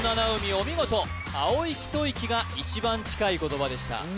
お見事「青息吐息」が一番近い言葉でした